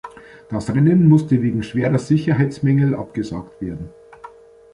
Das Rennen musste wegen schwerer Sicherheitsmängel abgesagt werden.